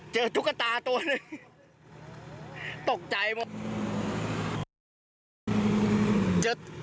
เจอตุ๊กตาตัวนึงตกใจหมด